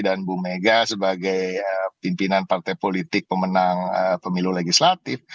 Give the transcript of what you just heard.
dan bu mega sebagai pimpinan partai politik pemenang pemilu legislatif